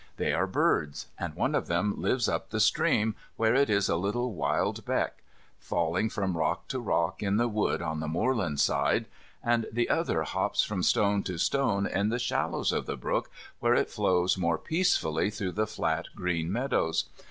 They are birds; and one of them lives up the stream, where it is a wild little beck, falling from rock to rock in the wood on the moorland side, and the other hops from stone to stone in the shallows of the brook, where it flows more peacefully through the flat green meadows.